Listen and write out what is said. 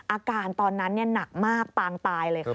อาการตอนนั้นหนักมากปางตายเลยค่ะ